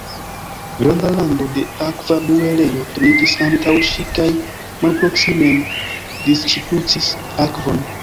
Granda rado de akva muelejo turniĝis antaŭ ŝi kaj malproksimen disŝprucis akvon.